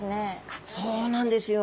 そうなんですよ。